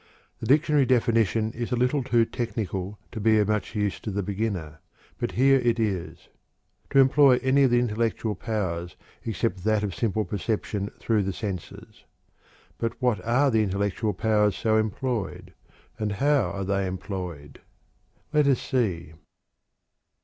The dictionary definition is a little too technical to be of much use to the beginner, but here it is: "To employ any of the intellectual powers except that of simple perception through the senses." But what are the "intellectual powers" so employed, and how are they employed? Let us see.